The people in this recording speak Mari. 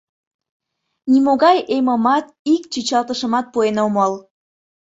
Нимогай эмымат, ик чӱчалтышымат пуэн омыл.